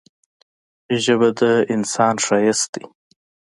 ژبه د انسان ښايست دی.